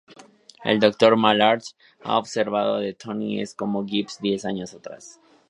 El Dr. Mallard ha observado que Tony es como Gibbs diez años atrás.